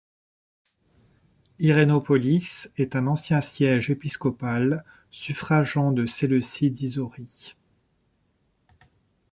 Irenopolis est un ancien siège épiscopal, suffrageant de Séleucie d'Isaurie.